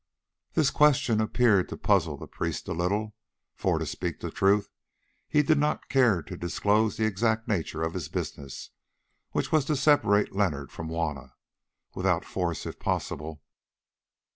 This question appeared to puzzle the priest a little, for, to speak truth, he did not care to disclose the exact nature of his business, which was to separate Leonard from Juanna, without force if possible.